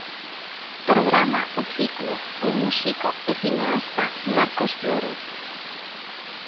Programa o ciclo o músico e cineasta Marcos Flórez.